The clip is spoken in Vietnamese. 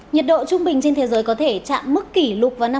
nhật độ trung bình trên thế giới có thể chạm mức kỷ lục vào năm hai nghìn hai mươi